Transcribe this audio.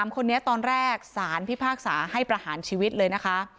๓คนนี้ตอนแรกสารพิพากษาให้ประหารชีวิตเลยนะคะ